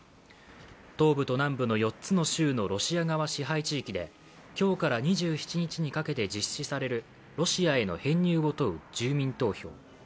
東部と南部の４つの州のロシア側支配地域で、今日から２７日にかけて実施されるロシアへの編入を問う住民投票。